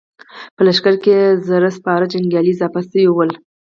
په لښکر کې يې زر سپاره جنګيالي اضافه شوي ول.